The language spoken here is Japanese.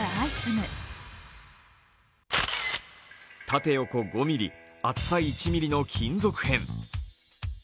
縦横５ｍｍ、厚さ１ｍｍの金属片。